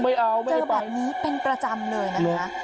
เจอแบบนี้เป็นประจำเลยนะคะ